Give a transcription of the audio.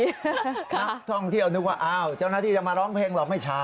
นักท่องเที่ยวนึกว่าอ้าวเจ้าหน้าที่จะมาร้องเพลงหรอกไม่ช้า